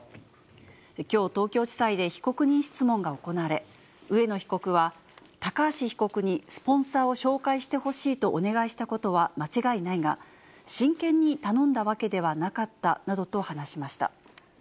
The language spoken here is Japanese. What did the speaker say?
きょう、東京地裁で被告人質問が行われ、植野被告は、高橋被告にスポンサーを紹介してほしいとお願いしたことは間違いないが、真剣に頼んだわけではなかったなどと話しました。